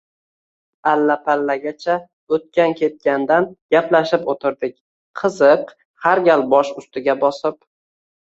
Alla-pallagacha o'tgan-ketgandan gaplashib o'tirdik. Qiziq, har gal bosh ustiga bosib